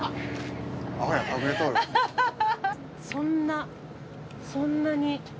そんなそんなに。